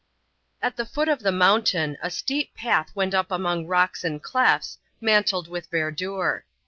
At the foot of the mountain, a steep path went up among rocks and clefts, mantled with verdure.